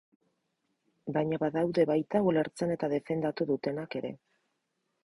Baina badaude baita ulertzen eta defendatu dutenak ere.